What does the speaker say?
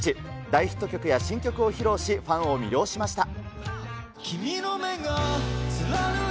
大ヒット曲や新曲を披露し、ファンを魅了しました。